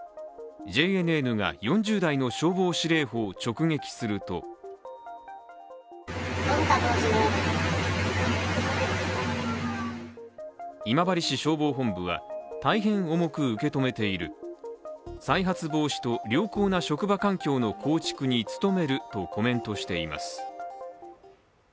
ＪＮＮが４０代の消防司令補を直撃すると今治市消防本部は、大変重く受け止めている、再発防止と良好な職場環境の構築に努めるとコメントしています。